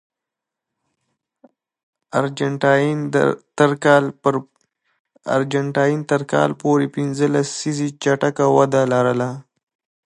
ارجنټاین تر کال پورې پنځه لسیزې چټکه وده لرله.